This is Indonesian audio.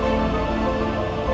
walaupun itu bukan anaknya